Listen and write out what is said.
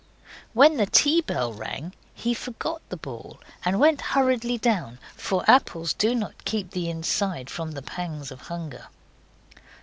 When the tea bell rang he forgot the ball and went hurriedly down, for apples do not keep the inside from the pangs of hunger.